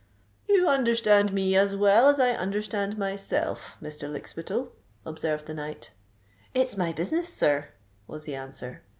"You understand me as well as I understand myself, Mr. Lykspittal," observed the knight. "It's my business, sir," was the answer.